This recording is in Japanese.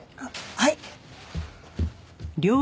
はい。